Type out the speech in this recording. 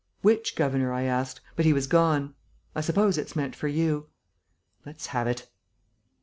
'Which governor?' I asked; but he was gone. I suppose it's meant for you." "Let's have it."